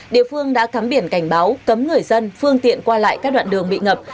địa phương đã cắm biển cảnh báo cấm người dân phương tiện qua lại các đoạn đường bị ngập